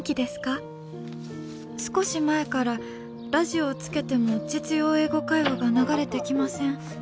少し前からラジオをつけても『実用英語会話』が流れてきません。